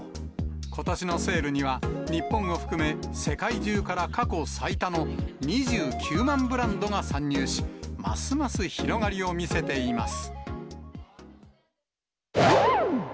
ことしのセールには、日本を含め、世界中から過去最多の２９万ブランドが参入し、ますます広がりを見せています。